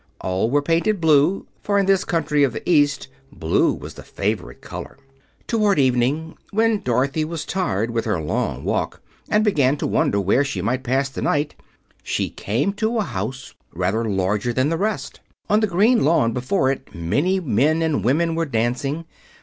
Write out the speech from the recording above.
All were painted blue, for in this country of the East blue was the favorite color. Toward evening, when Dorothy was tired with her long walk and began to wonder where she should pass the night, she came to a house rather larger than the rest. On the green lawn before it many men and women were dancing.